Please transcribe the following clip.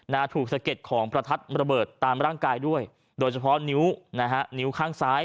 นาถูกเสก็ดของประทัดระเบิดตามร่างกายด้วยโดยเฉพาะนิ้วข้างซ้าย